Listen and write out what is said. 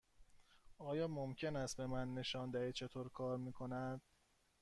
آیا ممکن است به من نشان دهید چطور کار می کند؟